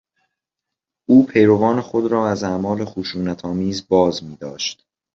او پیروان خود را از اعمال خشونتآمیز باز میداشت.